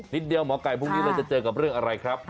เดียวหมอไก่พรุ่งนี้เราจะเจอกับเรื่องอะไรครับ